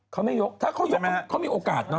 เขาไม่ยกถ้าเขายกเขามีโอกาสเนอ